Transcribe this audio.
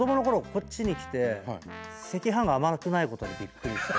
こっちに来て赤飯が甘くないことにびっくりして。